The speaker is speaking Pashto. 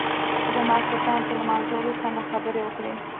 د ماخستن تر لمانځه وروسته مو خبرې وكړې.